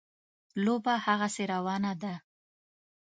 لوبه هغسې روانه ده.